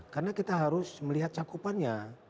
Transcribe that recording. karena kita harus melihat cakupannya